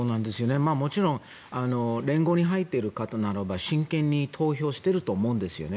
もちろん連合に入っている方ならば真剣に投票していると思うんですよね。